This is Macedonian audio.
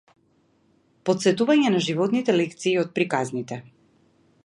Потсетување на животните лекции од приказните